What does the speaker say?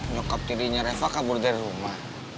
nyokap dirinya reva kabur dari rumah